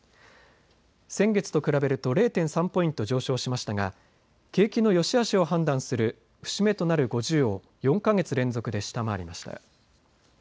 先月と比べると０．３ポイント上昇しましたが景気のよしあしを判断する節目となる５０を４か月連続で下回りました。